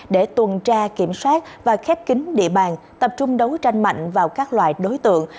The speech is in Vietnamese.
để tuần tra kiểm soát và khép kính địa bàn tập trung đấu tranh mạnh vào các loại đối tượng